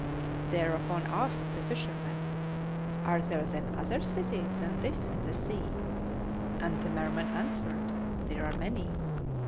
Thereupon asked the fisherman, "Are there then other cities than this in the sea?"; and the Merman answered, "There are many."